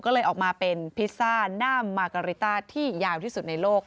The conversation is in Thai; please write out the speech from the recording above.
ก็เลยออกมาเป็นพิซซ่าหน้ามาการิต้าที่ยาวที่สุดในโลก